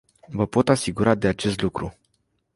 Vă pot asigura de acest lucru.